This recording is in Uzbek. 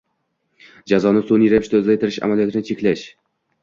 Jazoni sun'iy ravishda uzaytirish amaliyotini cheklash